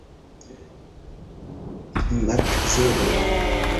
Makzelo